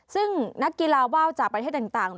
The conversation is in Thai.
ซึ่งนักกีฬาว่าวจากประเทศต่าง